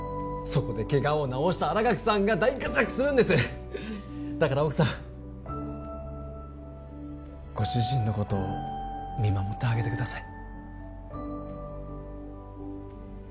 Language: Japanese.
そこでケガを治した新垣さんが大活躍するんですだから奥さんご主人のことを見守ってあげてください